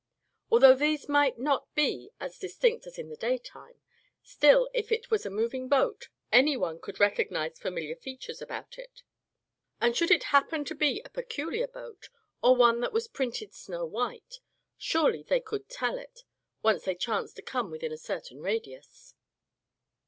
Although these might not be as distinct as in the daytime; still, if it was a moving boat, any one could recognize familiar features about it. And should it happen to be a peculiar boat, or one that was painted snow white, surely they could tell it, once they chanced to come within a certain radius.